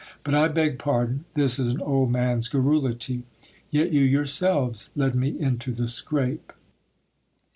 But I beg pardon ; this is an old man's garrulity. Yet you yourselves led me into the scrape.